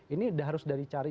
ini harus dicari